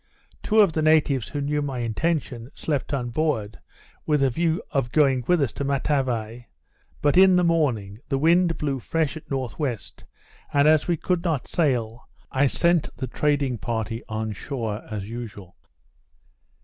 Two of the natives, who knew my intention, slept on board, with a view of going with us to Matavai, but, in the morning, the wind blew fresh at N.W., and as we could not sail, I sent the trading party on shore as usual.